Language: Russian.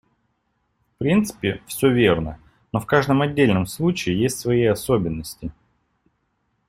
В принципе, всё верно, но в каждом отдельном случае есть свои особенности.